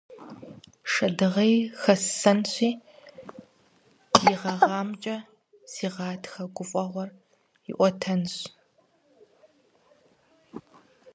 Шэдыгъуей хэссэнщи, и гъэгъамкӀэ си гъатхэ гуфӀэгъуэр иӀуэтэнщ.